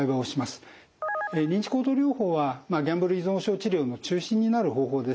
認知行動療法はギャンブル依存症治療の中心になる方法です。